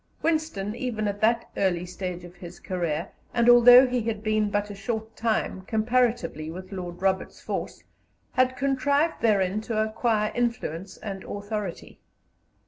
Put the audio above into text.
Winston, even at that early stage of his career, and although he had been but a short time, comparatively, with Lord Roberts's force, had contrived therein to acquire influence and authority.